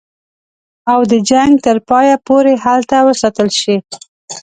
او د جنګ تر پایه پوري هلته وساتل شي.